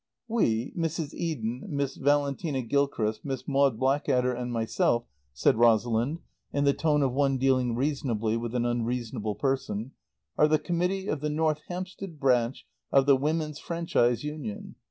"We, Mrs. Eden, Miss Valentina Gilchrist, Miss Maud Blackadder and myself," said Rosalind in the tone of one dealing reasonably with an unreasonable person, "are the Committee of the North Hampstead Branch of the Women's Franchise Union.